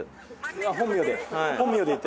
本名で。